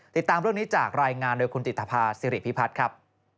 ติดตามเรื่องนี้จากรายงานโดยคุณติธภาษิริพิพัฒน์ครับ